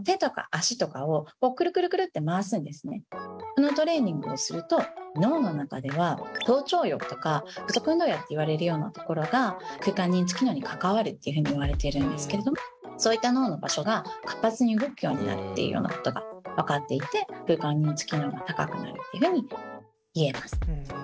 そのトレーニングをすると脳の中では頭頂葉とか補足運動野っていわれるようなところが空間認知機能に関わるっていうふうに言われてるんですけれどもそういった脳の場所が活発に動くようになるっていうようなことが分かっていてなるほど。